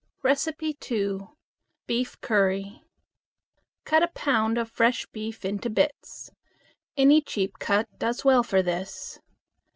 2. Beef Curry. Cut a pound of fresh beef into bits. Any cheap cut does well for this.